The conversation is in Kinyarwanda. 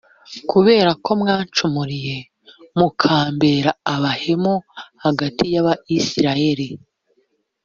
kubera ko mwancumuriye mukambera abahemu hagati y’abayisraheli,